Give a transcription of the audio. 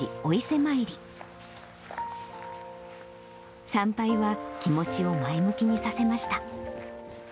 参拝は気持ちを前向きにさせました。